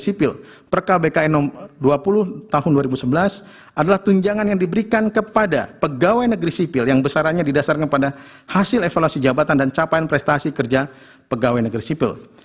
satu satu bahwa tunjangan kinerja sebagai peraturan kepala negara nomor dua puluh tahun dua ribu sebelas adalah tunjangan yang diberikan kepada pegawai negeri sipil yang besarannya didasarkan pada hasil evaluasi jabatan dan capaian prestasi kerja pegawai negeri sipil